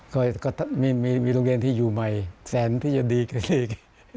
ก็มีโรงเรียนที่อยู่ใหม่แสนพิวเยดีกันอีก